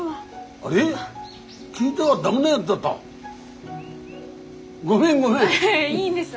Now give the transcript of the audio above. ああいいんです。